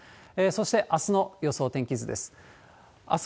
そして、あすの予想天気図です。